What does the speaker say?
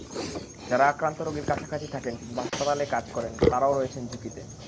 যাঁরা আক্রান্ত রোগীর কাছাকাছি থাকেন কিংবা হাসপাতালে কাজ করেন, তাঁরাও রয়েছেন ঝুঁকিতে।